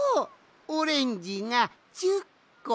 オレンジが１０こ！